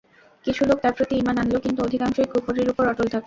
কিছু লোক তাঁর প্রতি ঈমান আনল, কিন্তু অধিকাংশই কুফরীর উপর অটল থাকল।